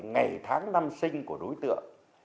ngày tháng năm sinh của đối tượng